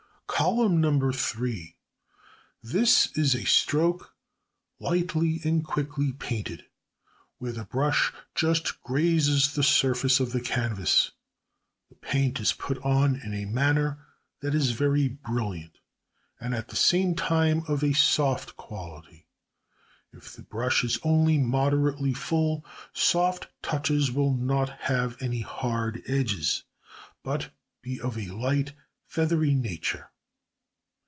Column No. 3. This is a stroke lightly and quickly painted, where the brush just grazes the surface of the canvas. The paint is put on in a manner that is very brilliant, and at the same time of a soft quality. If the brush is only moderately full, such touches will not have any hard edges, but be of a light, feathery nature.